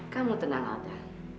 kamu tenang alda